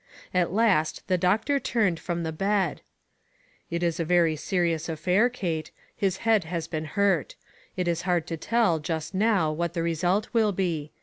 At last the doctor turned from the bed. " It is a pretty serious affair, Kate. His head has been hurt. It is hard to tell, just now, what the result will be.